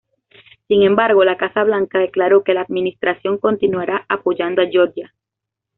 Sin embargo, la Casa Blanca declaró que la administración continuará apoyando a Georgia.